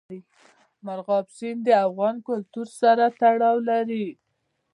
مورغاب سیند د افغان کلتور سره تړاو لري.